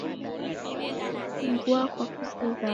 Chungua kwa kuzighana.